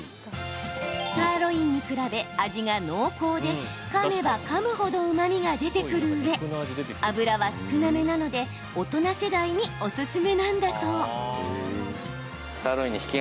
サーロインに比べ味が濃厚でかめばかむ程うまみが出てくるうえ脂は少なめなので大人世代におすすめなんだそう。